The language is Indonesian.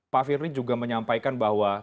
pak firly juga menyampaikan bahwa